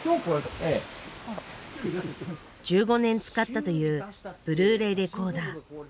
１５年使ったというブルーレイレコーダー。